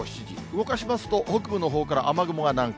動かしますと、北部のほうから雨雲が南下。